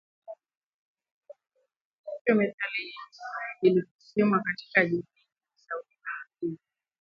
hivyo methali hii iliposemwa katika jamii ilisawiri majukumu